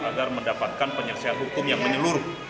agar mendapatkan penyelesaian hukum yang menyeluruh